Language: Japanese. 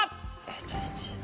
じゃあ１位だ。